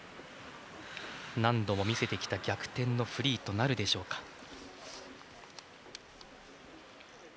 何度も見せてきた逆転のフリーとなるでしょうか。